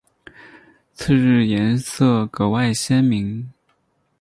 次日颜色格外鲜明。